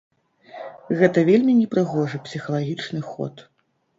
Гэта вельмі непрыгожы псіхалагічны ход.